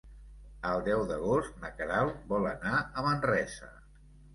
El deu d'agost na Queralt vol anar a Manresa.